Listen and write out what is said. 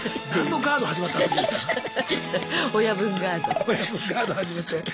だから親分ガード始めて。